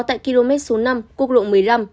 tại km số năm quốc lộ một mươi năm